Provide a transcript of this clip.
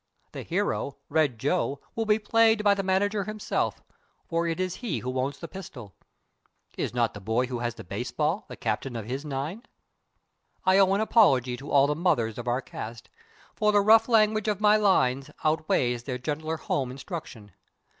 The hero, Red Joe, will be played by the manager himself, for it is he who owns the pistol. Is not the boy who has the baseball the captain of his nine? I owe an apology to all the mothers of our cast; for the rough language of my lines outweighs their gentler home instruction.